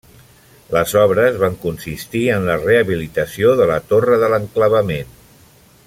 Les obres van consistir en la rehabilitació de la Torre de l'enclavament.